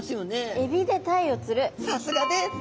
さすがです！